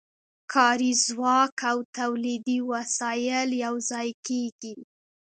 کاري ځواک او تولیدي وسایل یوځای کېږي